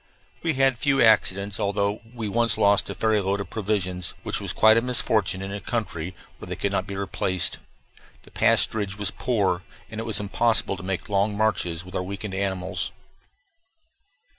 We had few accidents, although we once lost a ferry load of provisions, which was quite a misfortune in a country where they could not be replaced. The pasturage was poor, and it was impossible to make long marches with our weakened animals.